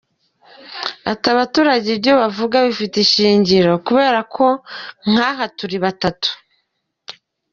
Ati “Abaturage ibyo bavuga bifite ishingiro kubera ko nk’aha turi batatu.